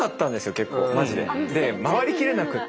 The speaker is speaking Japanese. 結構マジで。で回りきれなくて。